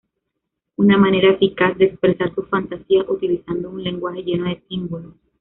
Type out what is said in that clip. Una manera eficaz de expresar sus fantasías, utilizando un lenguaje lleno de símbolos.